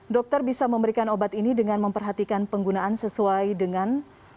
dokter bisa memberikan obat ini dengan memperhatikan penggunaan sesuai dengan